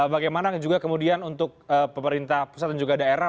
bagaimana juga kemudian untuk pemerintah pusat dan juga daerah